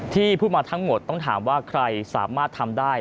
ที่พูดมาทั้งหมดต้องถามว่าใครสามารถทำได้